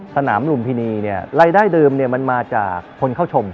สนามรุมพีนีรายได้เดิมมาจากค้นเข้าชม